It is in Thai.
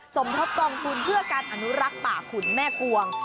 สมทบกองทุนเพื่อการอนุรักษ์ป่าขุนแม่กวง